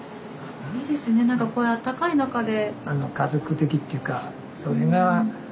いいですねなんかこういうあったかい中で。